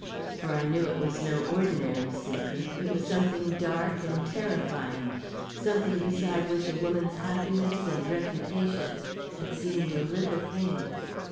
For I knew it was no ordinary secret it was something dark and terrifying something beside which a woman's happiness and reputation had seemed a little thing.